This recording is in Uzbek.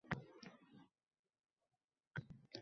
biroq inson shunday vaziyat bilan to‘qnash kelib qolsa